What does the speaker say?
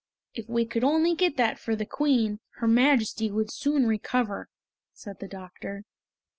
"If we could only get that for the Queen, her Majesty would soon recover," said the doctor.